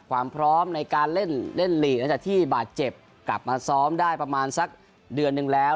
ความพร้อมในการเล่นเล่นลีกหลังจากที่บาดเจ็บกลับมาซ้อมได้ประมาณสักเดือนหนึ่งแล้ว